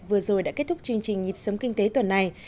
vừa rồi đã kết thúc chương trình nhịp sống kinh tế tuần này